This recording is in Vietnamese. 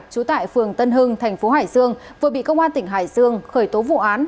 trú tại phường tân hưng thành phố hải dương vừa bị công an tỉnh hải dương khởi tố vụ án